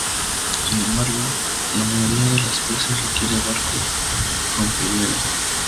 Sin embargo, la mayoría de las veces requiere barcos rompehielos.